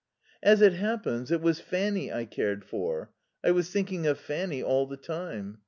"As it happens, it was Fanny I cared for. I was thinking of Fanny all the time....